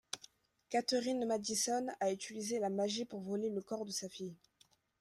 Catherine Madison a utilisé la magie pour voler le corps de sa fille.